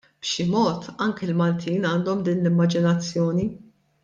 B'xi mod anki l-Maltin għandhom din l-immaġinazzjoni.